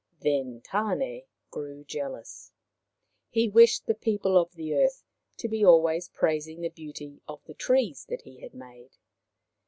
Then Tan6 grew jealous. He wished the people of the earth to be always praising the beauty of the trees that he had made.